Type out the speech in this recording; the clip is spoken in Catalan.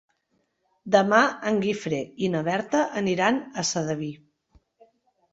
Demà en Guifré i na Berta aniran a Sedaví.